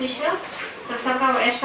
terhadap tersangka tersebut